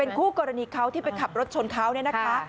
เป็นคู่กรณีเขาที่ไปขับรถชนเขา